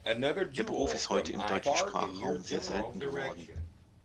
Der Beruf ist heute im deutschen Sprachraum sehr selten geworden.